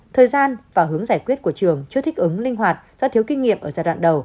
thời gian và hướng giải quyết của trường chưa thích ứng linh hoạt do thiếu kinh nghiệm ở giai đoạn đầu